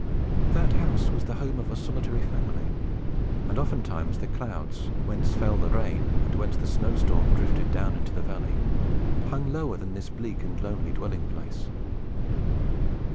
That house was the home of a solitary family; and oftentimes the clouds, whence fell the rain, and whence the snow storm drifted down into the valley, hung lower than this bleak and lonely dwelling place.